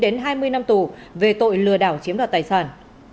một mươi chín hai mươi năm tù về tội lừa đảo chiếm đoạt tài sản